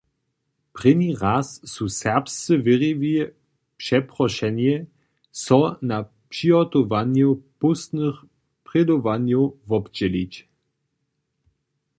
Prěni raz su serbscy wěriwi přeprošeni, so na přihotowanju póstnych prědowanjow wobdźělić.